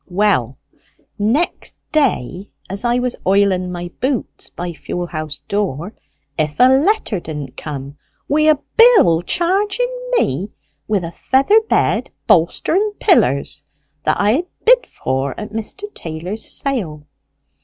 Well, next day, as I was oilen my boots by fuel house door, if a letter didn't come wi' a bill charging me with a feather bed, bolster, and pillers, that I had bid for at Mr. Taylor's sale.